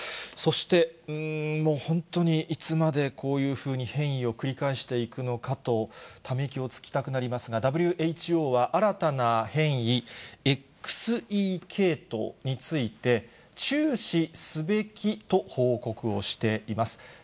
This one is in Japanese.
そして、本当にいつまでこういうふうに変異を繰り返していくのかと、ため息をつきたくなりますが、ＷＨＯは、新たな変異、ＸＥ系統について、注視すべきと報告をしています。